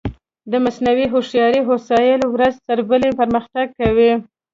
د مصنوعي هوښیارۍ وسایل ورځ تر بلې پرمختګ کوي.